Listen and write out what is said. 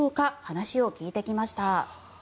話を聞いてきました。